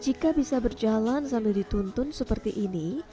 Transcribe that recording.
jika bisa berjalan sambil dituntun seperti ini